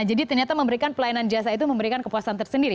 jadi ternyata memberikan pelayanan jasa itu memberikan kepuasan tersendiri